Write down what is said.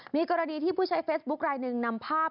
มีกรณีที่ผู้ใช้เฟซบุ๊คลายหนึ่งนำภาพ